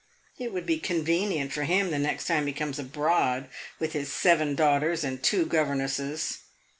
It would be convenient for him the next time he comes abroad with his seven daughters and two governesses.